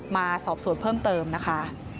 มาสอบสวนเพิ่มเติมนะคะ